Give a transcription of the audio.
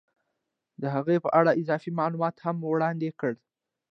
د هغې په اړه اضافي معلومات هم وړاندې کړي